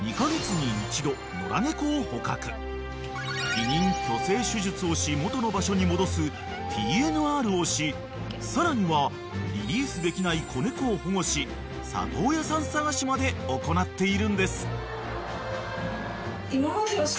［避妊去勢手術をし元の場所に戻すＴＮＲをしさらにはリリースできない子猫を保護し里親さん探しまで行っているんです］